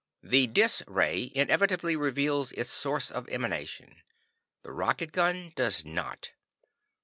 "The dis ray inevitably reveals its source of emanation. The rocket gun does not.